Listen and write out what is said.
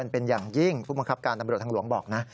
เป็นอย่างยิ่งผู้บังคับการตำรวจทางหลวงบอกนะ